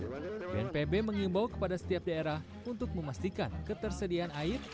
bnpb mengimbau kepada setiap daerah untuk memastikan ketersediaan air